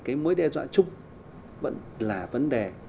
cái mối đe dọa chung vẫn là vấn đề